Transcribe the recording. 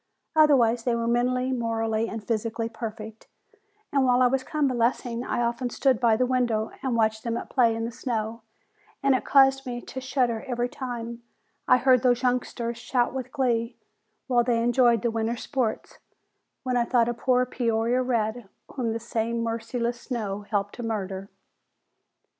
Otherwise they were mentally, morally and physically perfect, and while I was convalescing I often stood by the window and watched them at play in the snow and it caused me to shudder every time I heard those youngsters shout with glee while they enjoyed the winter's sports, when I thought of poor Peoria Red whom this same merciless snow helped to murder.